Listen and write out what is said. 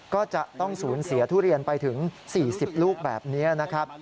ก็จะต้องสูญเสียทุเรียนไปถึง๔๐ลูกแบบนี้นะครับ